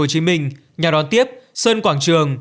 hồ chí minh nhà đón tiếp sân quảng trường